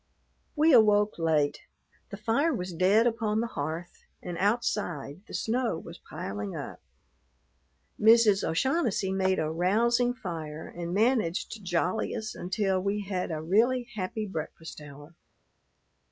We awoke late. The fire was dead upon the hearth and outside the snow was piling up. Mrs. O'Shaughnessy made a rousing fire and managed to jolly us until we had a really happy breakfast hour.